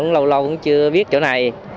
lâu lâu cũng chưa biết chỗ này